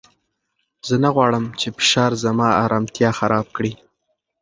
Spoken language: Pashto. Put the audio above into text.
زه نه غواړم چې فشار زما ارامتیا خراب کړي.